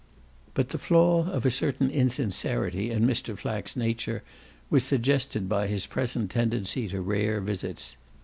But the flaw of a certain insincerity in Mr. Flack's nature was suggested by his present tendency to rare visits.